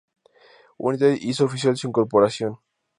United hizo oficial su incorporación.